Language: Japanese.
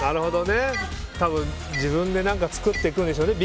多分、自分で何か作っていくんでしょうね。